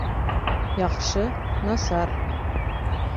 Яҡшы, насар